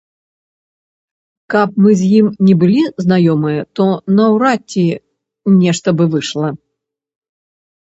Каб мы з ім не былі знаёмыя, то наўрад ці нешта бы выйшла.